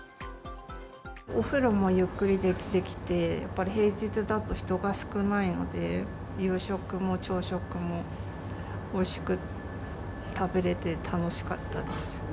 お風呂もゆっくりできて、やっぱり平日だと人が少ないので、夕食も朝食もおいしく食べれて、楽しかったです。